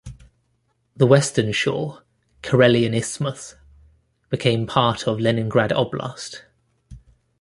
The western shore, Karelian Isthmus, became part of Leningrad Oblast.